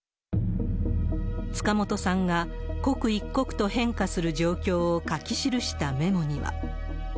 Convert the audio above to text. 塚本さんが刻一刻と変化する状況を書き記したメモには。